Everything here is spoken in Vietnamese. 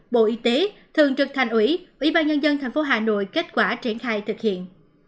bộ y tế thường trực thành ủy ủy ban nhân dân thành phố hà nội kết quả triển khai thực hiện